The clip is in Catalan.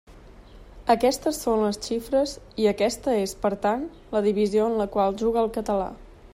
Aquestes són les xifres i aquesta és per tant la divisió en la qual juga el català.